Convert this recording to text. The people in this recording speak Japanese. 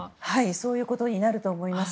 そういうことになると思います。